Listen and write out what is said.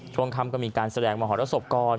ช่วงค่ำก็มีการแสดงมหรสบกร